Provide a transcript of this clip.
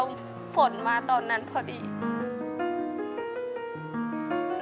สวัสดีครับน้องเล่จากจังหวัดพิจิตรครับ